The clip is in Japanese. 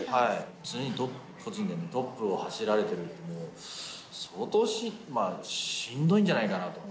常に個人でトップを走られてるって、相当しんどいんじゃないかなと。